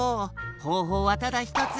ほうほうはただひとつ。